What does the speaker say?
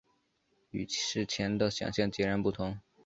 与事前的想像截然不同